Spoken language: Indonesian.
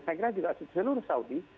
saya kira juga seluruh saudi